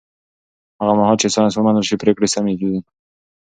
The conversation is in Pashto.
هغه مهال چې ساینس ومنل شي، پرېکړې سمې کېږي.